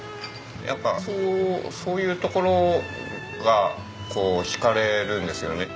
やっぱそういうところがこう惹かれるんですよね。